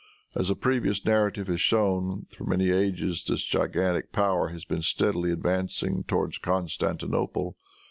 As the previous narrative has shown, for many ages this gigantic power has been steadily advancing towards Constantinople.